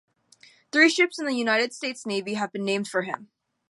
Three ships in the United States Navy have been named for him.